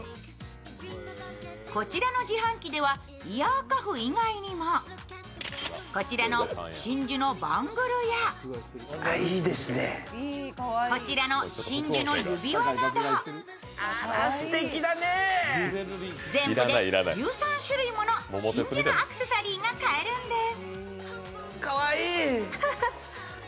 こちらの自販機ではイヤーカフ以外にもこちらの真珠のバングルやこちらの真珠の指輪など全部で１３種類もの真珠のアクセサリーが買えるんです。